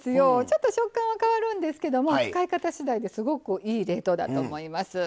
ちょっと食感は変わるんですけども使い方しだいですごくいい冷凍だと思います。